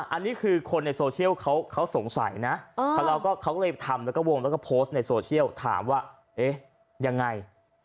อันนี้คือคนในโซเชียลเขาสงสัยนะเขาก็เลยทำแล้วก็วงแล้วก็โพสต์ในโซเชียลถามว่าเอ๊ะยังไง